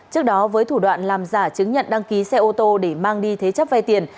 trước đó với thủ đoạn làm giả chứng nhận đăng ký xe ô tô để mang đi thế chấp vay tiền